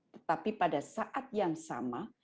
tetapi pada saat yang sama